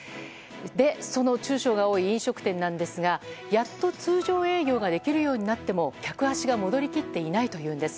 その中小が多い飲食店なんですがやっと通常営業ができるようになっても客足が戻り切っていないというんです。